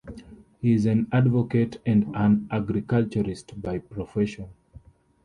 He is an advocate and an agriculturist by profession.